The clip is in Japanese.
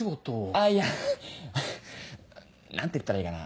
あぁいや何て言ったらいいかな。